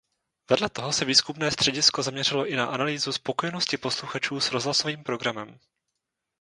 Vedle toho se výzkumné středisko zaměřilo i na analýzu spokojenosti posluchačů s rozhlasovým programem.